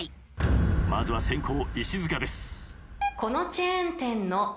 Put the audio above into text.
まずは先攻石塚です。